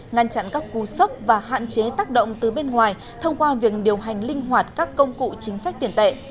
ngăn chặn các cú sốc và hạn chế tác động từ bên ngoài thông qua việc điều hành linh hoạt các công cụ chính sách tiền tệ